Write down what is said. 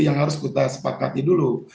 yang harus kita sepakati dulu